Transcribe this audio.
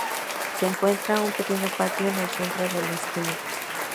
Se encuentra un pequeño patio en el centro de la mezquita.